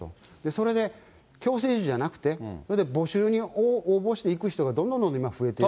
それで、強制移住じゃなくて、それで募集に応募して行く人がどんどんどんどん、増えている。